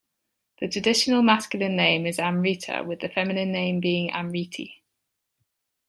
The traditional masculine name is Amritha with the feminine name being Amrithi.